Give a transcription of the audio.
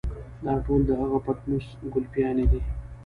دا ټول د هغه پټنوس ګلپيانې دي.